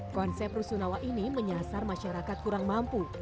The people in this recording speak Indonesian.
konsep rusunawa ini menyasar masyarakat kurang mampu